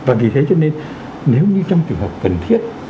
và vì thế cho nên nếu như trong trường hợp cần thiết